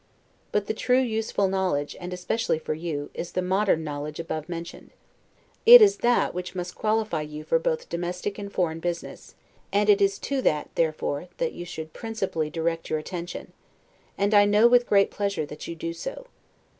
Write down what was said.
But the true useful knowledge, and especially for you, is the modern knowledge above mentioned. It is that must qualify you both for domestic and foreign business, and it is to that, therefore, that you should principally direct your attention; and I know, with great pleasure, that you do so.